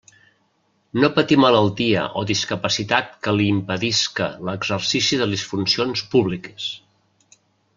No patir malaltia o discapacitat que li impedisca l'exercici de les funcions públiques.